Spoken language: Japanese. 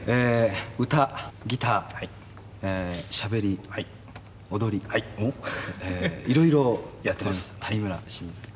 歌、ギター、しゃべり、踊り、いろいろやってます、谷村新司です。